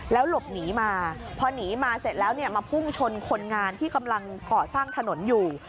หลบหนีมาพอหนีมาเสร็จแล้วเนี่ยมาพุ่งชนคนงานที่กำลังก่อสร้างถนนอยู่